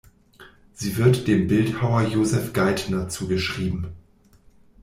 Sie wird dem Bildhauer Joseph Geitner zugeschrieben.